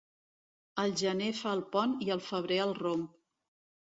El gener fa el pont i el febrer el romp.